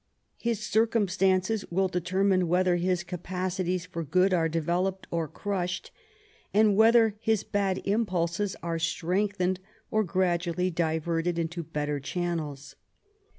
His circumstances will determine whether his capacities for good are developed or crushed, and whether his bad impulses are strengthened or gradually diverted into better channels.